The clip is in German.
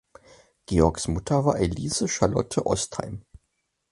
Georgs Mutter war Elise Charlotte Ostheim.